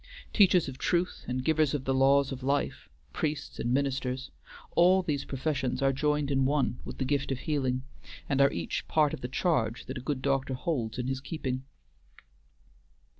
Teachers of truth and givers of the laws of life, priests and ministers, all these professions are joined in one with the gift of healing, and are each part of the charge that a good doctor holds in his keeping.